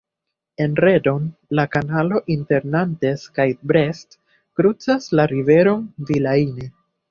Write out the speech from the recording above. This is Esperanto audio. En Redon, la kanalo inter Nantes kaj Brest krucas la riveron Vilaine.